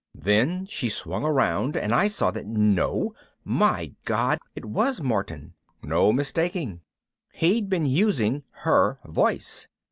_ Then she swung around and I saw that no, my God, it was Martin, no mistaking. He'd been using her voice.